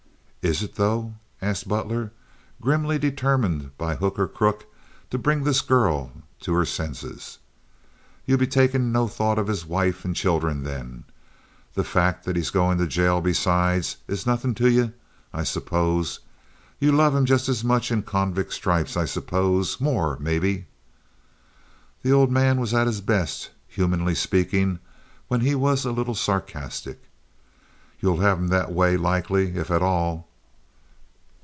"Is it, though?" asked Butler, grimly determined by hook or by crook, to bring this girl to her senses. "Ye'll be takin' no thought of his wife and children then? The fact that he's goin' to jail, besides, is nawthin' to ye, I suppose. Ye'd love him just as much in convict stripes, I suppose—more, maybe." (The old man was at his best, humanly speaking, when he was a little sarcastic.) "Ye'll have him that way, likely, if at all."